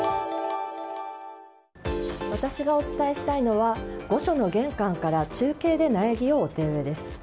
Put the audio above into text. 私がお伝えしたいのは御所の玄関から中継で苗木をお手植えです。